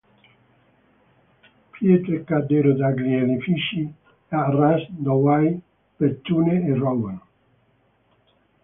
Pietre caddero dagli edifici a Arras, Douai, Béthune e Rouen.